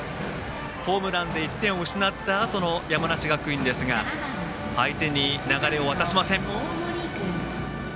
ホームランで１点を失ったあとの山梨学院ですが相手に流れを渡しません。